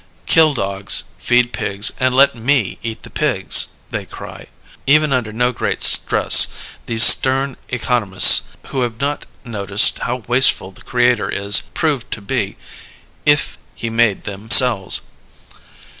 "Kill dogs, feed pigs, and let me eat the pigs!" they cry, even under no great stress, these stern economists who have not noticed how wasteful the Creator is proved to be if He made themselves.